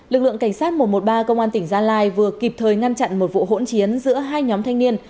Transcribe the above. lực lượng cảnh sát một trăm một mươi ba công an tỉnh gia lai vừa kịp thời ngăn chặn một vụ hỗn chiến giữa hai nhóm thanh niên